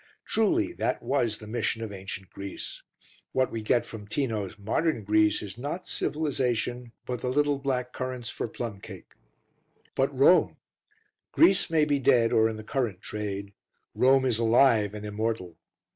Truly that was the mission of ancient Greece. What we get from Tino's modern Greece is not civilisation but the little black currants for plum cake. But Rome. Greece may be dead or in the currant trade. Rome is alive and immortal.